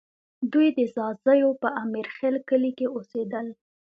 دوی د ځاځیو په امیرخېل کلي کې اوسېدل